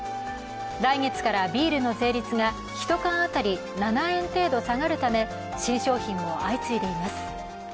来月からビールの税率が１缶当たり７円程度下がるため新商品も相次いでいます。